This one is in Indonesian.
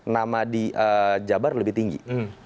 nama di jabar lebih tinggi